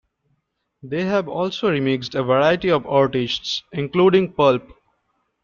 They have also remixed a variety of artists, including Pulp.